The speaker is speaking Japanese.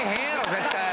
絶対。